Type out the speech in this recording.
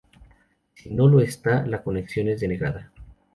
Si no lo está, la conexión es denegada.